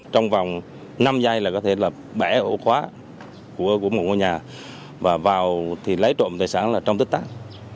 trong vòng năm giây là có thể là bẻ ổ khóa của một ngôi nhà và vào thì lấy trộm tài sản là trong tích tác